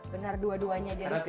benar dua duanya jadi setara poin